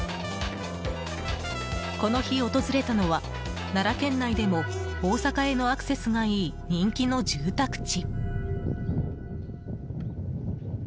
この日、訪れたのは奈良県内でも大阪へのアクセスがいい人気の住宅地。